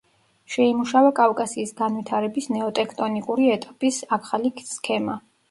შეიმუშავა კავკასიის განვითარების ნეოტექტონიკური ეტაპის ახალი სქემა.